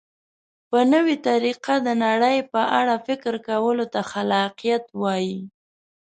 په نوې طریقه د نړۍ په اړه فکر کولو ته خلاقیت وایي.